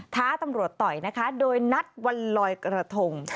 ท้าตำรวจตอยด้วยนัทวรรลอยกระทง